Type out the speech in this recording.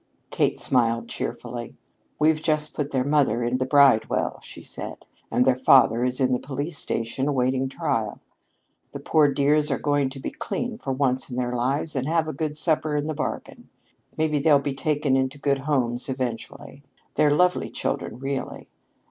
Kate smiled cheerfully. "We've just put their mother in the Bridewell," she said, "and their father is in the police station awaiting trial. The poor dears are going to be clean for once in their lives and have a good supper in the bargain. Maybe they'll be taken into good homes eventually. They're lovely children, really.